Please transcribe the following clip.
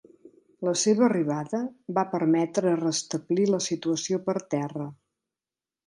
La seva arribada va permetre restablir la situació per terra.